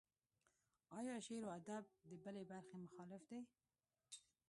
ایا شعر و ادب د بلې برخې مخالف دی.